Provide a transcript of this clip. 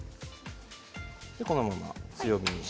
このまま強火です。